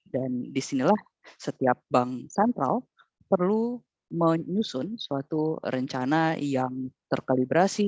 dan disinilah setiap bank sentral perlu menyusun suatu rencana yang terkalibrasi